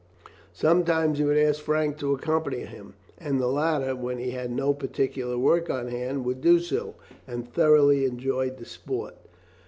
Sometimes he would ask Frank to accompany him, and the latter, when he had no particular work on hand, would do so, and thoroughly enjoyed the sport.